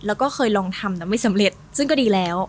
แล้วก็เคยลองทำแต่ไม่สำเร็จซึ่งก็ดีแล้ว